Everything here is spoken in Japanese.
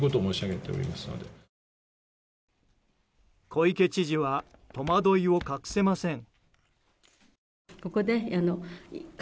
小池知事は戸惑いを隠せません。